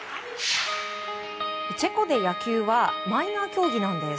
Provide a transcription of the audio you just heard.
チェコで野球はマイナー競技なんです。